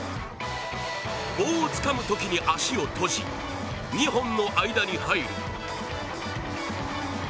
棒をつかむときに脚を閉じ、２本の間に入る。